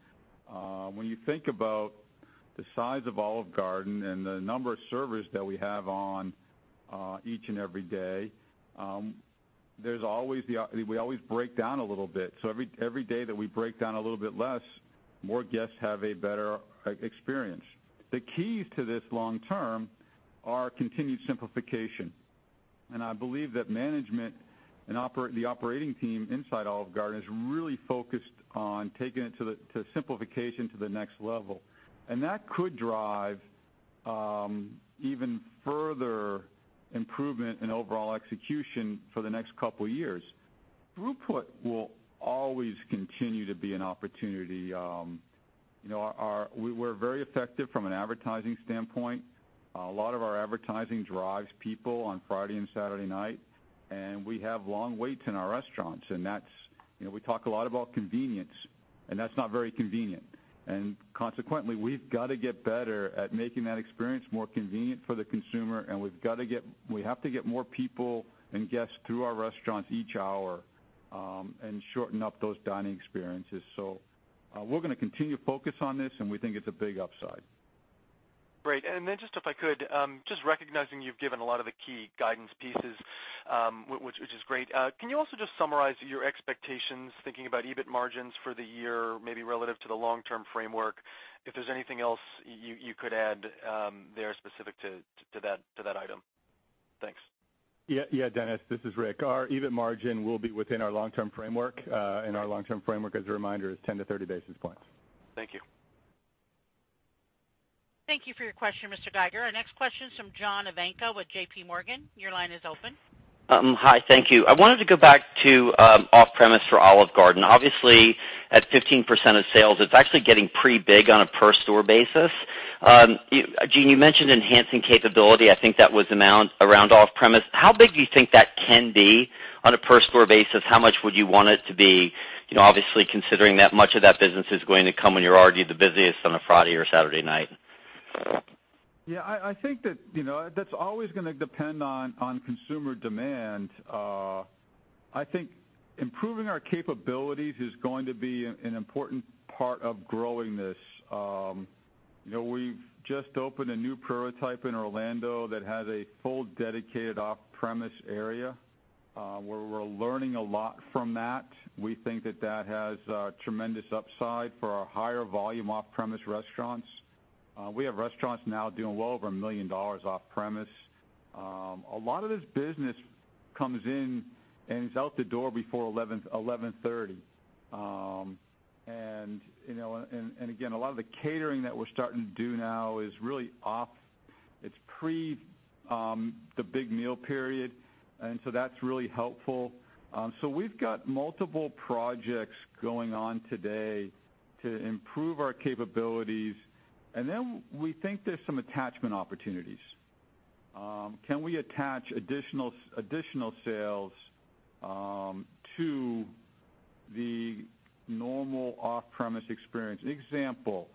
When you think about the size of Olive Garden and the number of servers that we have on each and every day, we always break down a little bit. Every day that we break down a little bit less, more guests have a better experience. The keys to this long term are continued simplification. I believe that management and the operating team inside Olive Garden is really focused on taking it to simplification to the next level. That could drive even further improvement in overall execution for the next couple of years. Throughput will always continue to be an opportunity. We're very effective from an advertising standpoint. A lot of our advertising drives people on Friday and Saturday night, and we have long waits in our restaurants. We talk a lot about convenience, that's not very convenient. Consequently, we've got to get better at making that experience more convenient for the consumer, and we have to get more people and guests through our restaurants each hour, and shorten up those dining experiences. We're going to continue to focus on this, and we think it's a big upside. Great. Just if I could, just recognizing you've given a lot of the key guidance pieces, which is great. Can you also just summarize your expectations, thinking about EBIT margins for the year, maybe relative to the long-term framework, if there's anything else you could add there specific to that item? Thanks. Dennis, this is Rick. Our EBIT margin will be within our long-term framework. Our long-term framework, as a reminder, is 10 to 30 basis points. Thank you. Thank you for your question, Mr. Geiger. Our next question is from John Ivankoe with J.P. Morgan. Your line is open. Hi, thank you. I wanted to go back to off-premise for Olive Garden. Obviously, at 15% of sales, it's actually getting pretty big on a per store basis. Gene, you mentioned enhancing capability. I think that was around off-premise. How big do you think that can be on a per store basis? How much would you want it to be? Obviously, considering that much of that business is going to come when you're already the busiest on a Friday or Saturday night? Yeah, I think that's always going to depend on consumer demand. I think improving our capabilities is going to be an important part of growing this. We've just opened a new prototype in Orlando that has a full dedicated off-premise area, where we're learning a lot from that. We think that that has tremendous upside for our higher volume off-premise restaurants. We have restaurants now doing well over $1 million off-premise. A lot of this business comes in and is out the door before 11:30 A.M. Again, a lot of the catering that we're starting to do now is really off, it's pre the big meal period, that's really helpful. We've got multiple projects going on today to improve our capabilities, and then we think there's some attachment opportunities. Can we attach additional sales to the normal off-premise experience? Example,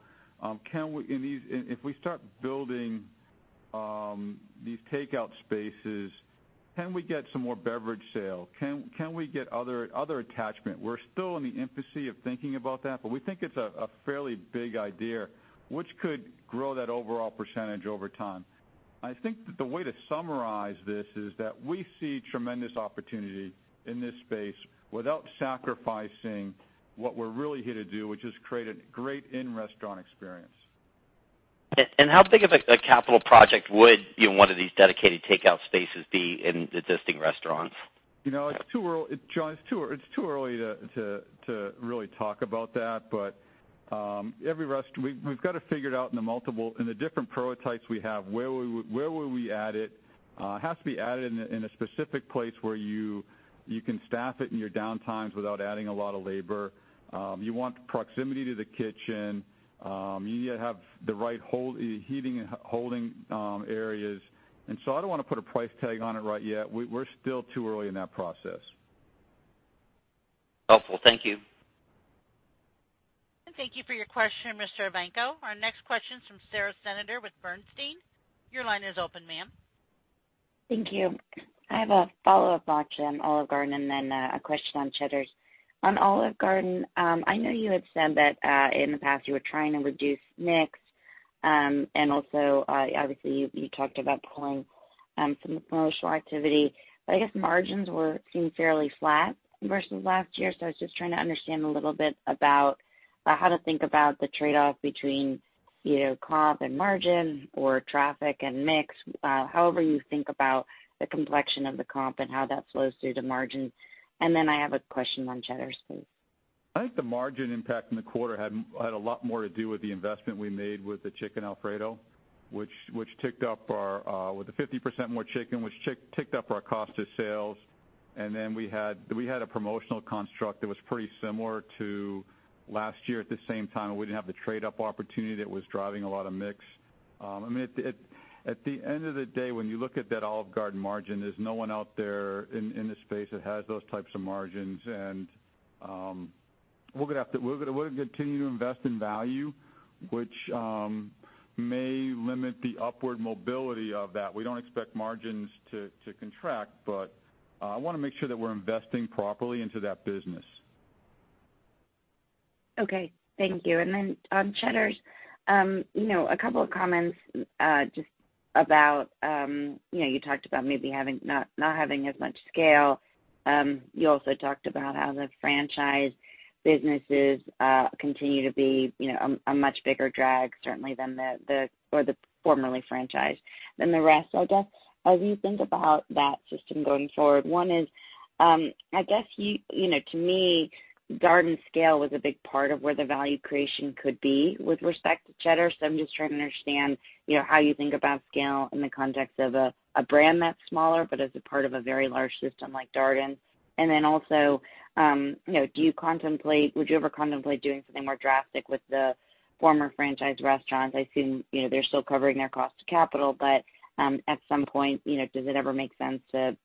if we start building these takeout spaces, can we get some more beverage sale? Can we get other attachment? We're still in the infancy of thinking about that, we think it's a fairly big idea, which could grow that overall percentage over time. I think that the way to summarize this is that we see tremendous opportunity in this space without sacrificing what we're really here to do, which is create a great in-restaurant experience. How big of a capital project would one of these dedicated takeout spaces be in existing restaurants? John, it's too early to really talk about that. We've got it figured out in the different prototypes we have, where would we add it. It has to be added in a specific place where you can staff it in your down times without adding a lot of labor. You want proximity to the kitchen. You need to have the right heating and holding areas. So I don't want to put a price tag on it right yet. We're still too early in that process. Helpful. Thank you. Thank you for your question, Mr. Ivankoe. Our next question is from Sara Senatore with Bernstein. Your line is open, ma'am. Thank you. I have a follow-up on Olive Garden, then a question on Cheddar's. On Olive Garden, I know you had said that in the past you were trying to reduce mix. Obviously you talked about pulling some promotional activity, I guess margins seemed fairly flat versus last year. I was just trying to understand a little bit about how to think about the trade-off between comp and margin or traffic and mix, however you think about the complexion of the comp and how that flows through to margin. I have a question on Cheddar's, please. I think the margin impact in the quarter had a lot more to do with the investment we made with the Chicken Alfredo, with the 50% more chicken, which ticked up our cost of sales. We had a promotional construct that was pretty similar to last year at the same time, we didn't have the trade-up opportunity that was driving a lot of mix. At the end of the day, when you look at that Olive Garden margin, there's no one out there in the space that has those types of margins. We'll continue to invest in value, which may limit the upward mobility of that. We don't expect margins to contract, I want to make sure that we're investing properly into that business. Okay. Thank you. On Cheddar's, a couple of comments just about you talked about maybe not having as much scale. You also talked about how the franchise businesses continue to be a much bigger drag, certainly than the formerly franchise than the rest, I guess. How do you think about that system going forward? One is, I guess, to me, Darden scale was a big part of where the value creation could be with respect to Cheddar. I'm just trying to understand, how you think about scale in the context of a brand that's smaller, but as a part of a very large system like Darden. Also, would you ever contemplate doing something more drastic with the former franchise restaurants? I assume they're still covering their cost of capital. At some point, does it ever make sense to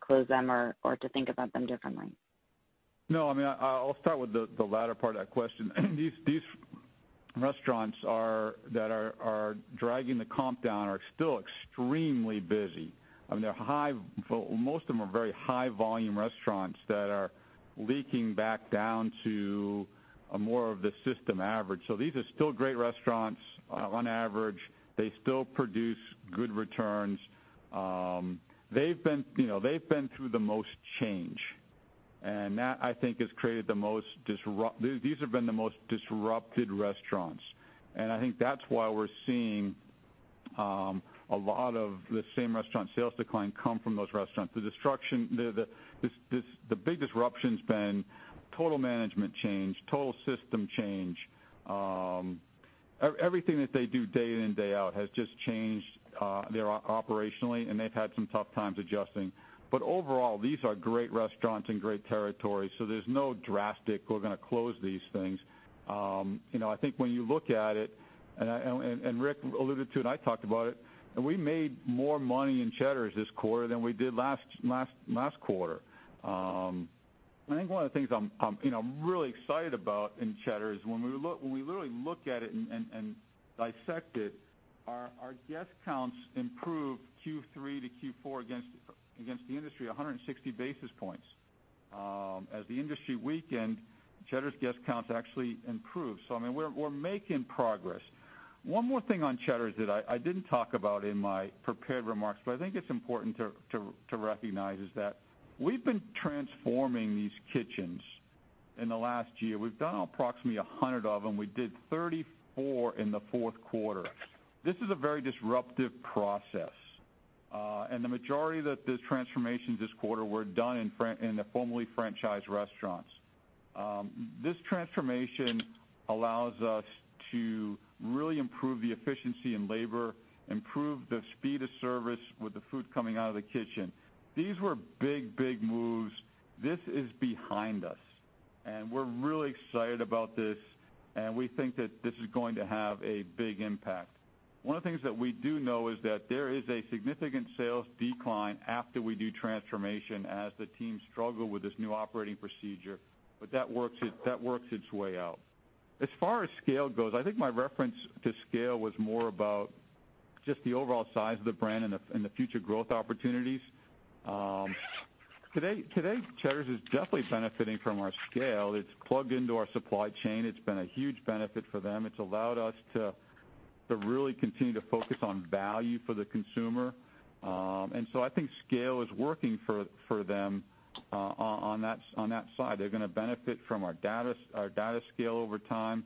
close them or to think about them differently? No. I'll start with the latter part of that question. These restaurants that are dragging the comp down are still extremely busy. Most of them are very high volume restaurants that are leaking back down to more of the system average. These are still great restaurants, on average. They still produce good returns. They've been through the most change. These have been the most disrupted restaurants, and I think that's why we're seeing a lot of the same restaurant sales decline come from those restaurants. The big disruption's been total management change, total system change. Everything that they do day in and day out has just changed operationally, and they've had some tough times adjusting. Overall, these are great restaurants and great territories, so there's no drastic, we're going to close these things. I think when you look at it, and Rick alluded to it, and I talked about it, and we made more money in Cheddar this quarter than we did last quarter. I think one of the things I'm really excited about in Cheddar is when we really look at it and dissect it, our guest counts improved Q3 to Q4 against the industry 160 basis points. As the industry weakened, Cheddar's guest counts actually improved. We're making progress. One more thing on Cheddar that I didn't talk about in my prepared remarks, but I think it's important to recognize, is that we've been transforming these kitchens in the last year. We've done approximately 100 of them. We did 34 in the fourth quarter. This is a very disruptive process. The majority of the transformations this quarter were done in the formerly franchised restaurants. This transformation allows us to really improve the efficiency in labor, improve the speed of service with the food coming out of the kitchen. These were big moves. This is behind us, and we're really excited about this, and we think that this is going to have a big impact. One of the things that we do know is that there is a significant sales decline after we do transformation as the teams struggle with this new operating procedure, but that works its way out. As far as scale goes, I think my reference to scale was more about just the overall size of the brand and the future growth opportunities. Today, Cheddar is definitely benefiting from our scale. It's plugged into our supply chain. It's been a huge benefit for them. It's allowed us to really continue to focus on value for the consumer. I think scale is working for them on that side. They're going to benefit from our data scale over time.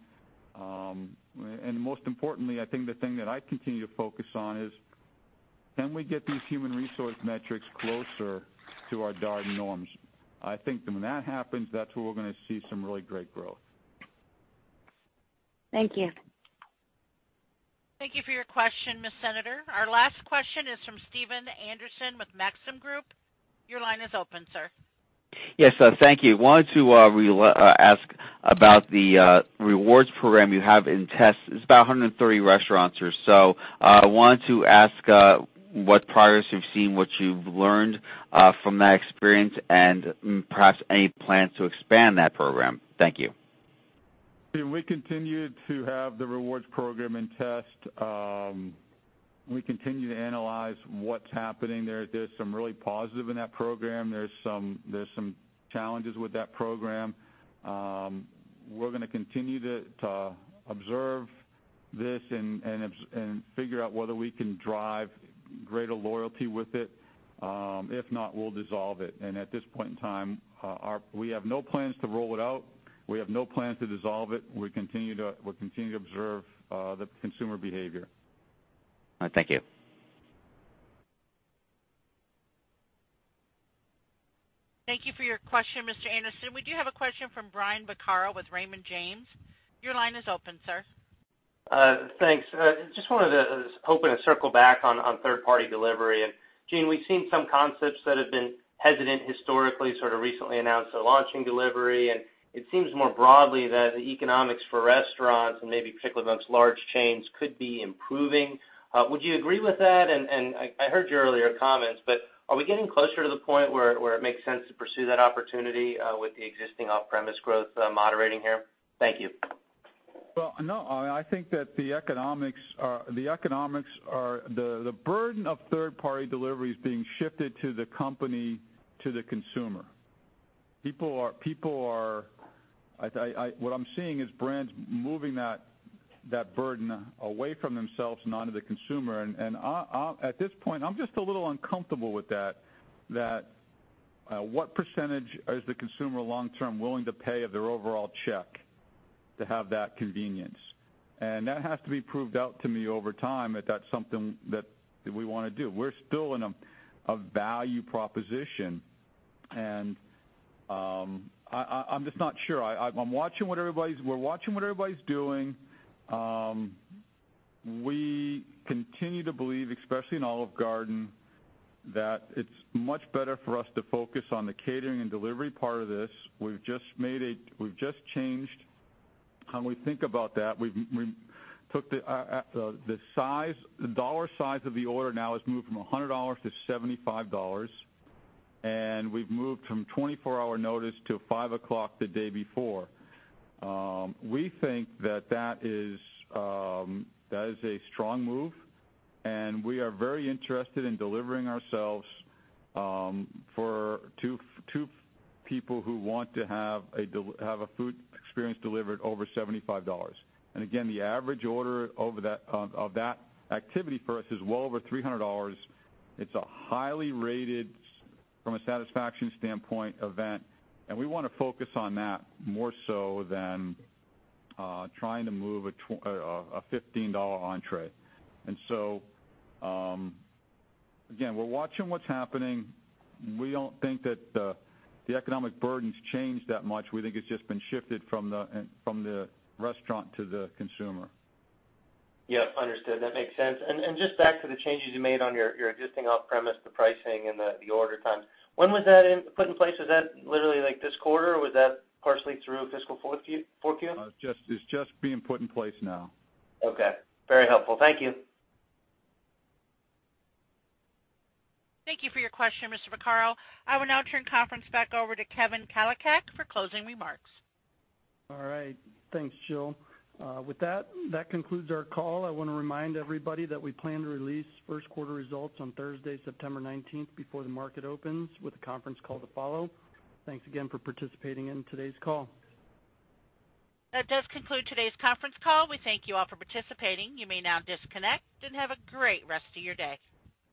Most importantly, I think the thing that I continue to focus on is, can we get these human resource metrics closer to our Darden norms? I think that when that happens, that's where we're going to see some really great growth. Thank you. Thank you for your question, Ms. Senatore. Our last question is from Stephen Anderson with Maxim Group. Your line is open, sir. Yes, thank you. Wanted to ask about the rewards program you have in test. It's about 130 restaurants or so. I wanted to ask what progress you've seen, what you've learned from that experience, and perhaps any plans to expand that program. Thank you. We continue to have the rewards program in test. We continue to analyze what's happening there. There's some really positive in that program. There's some challenges with that program. We're going to continue to observe this and figure out whether we can drive greater loyalty with it. If not, we'll dissolve it. At this point in time, we have no plans to roll it out. We have no plan to dissolve it. We'll continue to observe the consumer behavior. All right. Thank you. Thank you for your question, Mr. Anderson. We do have a question from Brian Vaccaro with Raymond James. Your line is open, sir. Thanks. Just wanted to open a circle back on third party delivery. Gene, we've seen some concepts that have been hesitant historically, sort of recently announced they're launching delivery. It seems more broadly that the economics for restaurants, and maybe particularly amongst large chains, could be improving. Would you agree with that? I heard your earlier comments, but are we getting closer to the point where it makes sense to pursue that opportunity with the existing off-premise growth moderating here? Thank you. The burden of third party delivery is being shifted to the company, to the consumer. What I'm seeing is brands moving that burden away from themselves and onto the consumer. At this point, I'm just a little uncomfortable with that. What percentage is the consumer long-term willing to pay of their overall check to have that convenience? That has to be proved out to me over time, if that's something that we want to do. We're still in a value proposition, and I'm just not sure. We're watching what everybody's doing. We continue to believe, especially in Olive Garden, that it's much better for us to focus on the catering and delivery part of this. We've just changed how we think about that. The dollar size of the order now has moved from $100 to $75, and we've moved from 24-hour notice to 5:00 the day before. We think that is a strong move, and we are very interested in delivering ourselves to people who want to have a food experience delivered over $75. Again, the average order of that activity for us is well over $300. It's a highly rated, from a satisfaction standpoint, event, and we want to focus on that more so than trying to move a $15 entrée. Again, we're watching what's happening. We don't think that the economic burden's changed that much. We think it's just been shifted from the restaurant to the consumer. Yep. Understood. That makes sense. Just back to the changes you made on your existing off-premise, the pricing and the order times. When was that put in place? Is that literally this quarter, or was that partially through fiscal fourth Q? It's just being put in place now. Okay. Very helpful. Thank you. Thank you for your question, Mr. Vaccaro. I will now turn the conference back over to Kevin Kalinowski for closing remarks. All right. Thanks, Jill. With that concludes our call. I want to remind everybody that we plan to release first quarter results on Thursday, September 19th before the market opens, with a conference call to follow. Thanks again for participating in today's call. That does conclude today's conference call. We thank you all for participating. You may now disconnect, and have a great rest of your day.